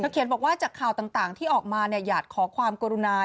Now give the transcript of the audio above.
เขียนบอกว่าจากข่าวต่างที่ออกมาอยากขอความกรุณา